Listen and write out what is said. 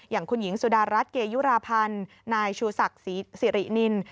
อย่างคุณหญิงสุดารัฐเกยุราพันธ์นายชูศักดิ์สิรินิน